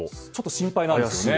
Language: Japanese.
心配なんですね。